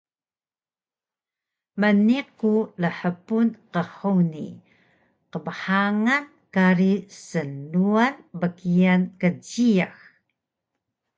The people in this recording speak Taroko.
Mniq ku lhbun qhuni qmbahang kari snluan bkian kjiyax